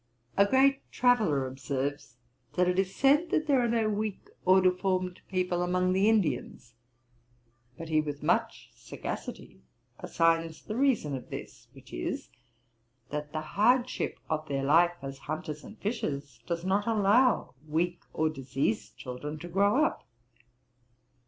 A great traveller observes, that it is said there are no weak or deformed people among the Indians; but he with much sagacity assigns the reason of this, which is, that the hardship of their life as hunters and fishers does not allow weak or diseased children to grow up.